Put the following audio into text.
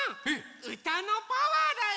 うたのパワーだよ！